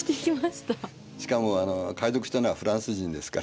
しかも解読したのはフランス人ですからね。